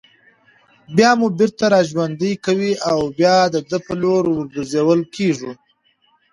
بيا مو بېرته راژوندي كوي او بيا د ده په لور ورگرځول كېږئ